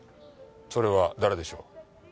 それは誰でしょう？